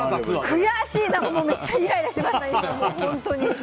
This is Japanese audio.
悔しいめっちゃイライラしました。